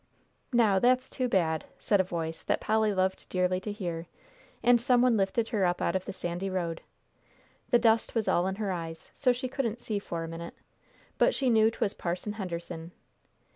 "Now that's too bad!" said a voice that Polly loved dearly to hear, and some one lifted her up out of the sandy road. The dust was all in her eyes, so she couldn't see for a minute, but she knew 'twas Parson Henderson.